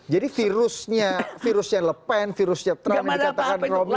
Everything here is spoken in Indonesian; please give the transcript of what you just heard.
jadi virusnya virusnya le pen virusnya trump yang dikatakan romo